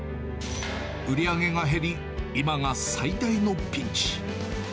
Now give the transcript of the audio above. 売り上げが減り、今が最大のピンチ。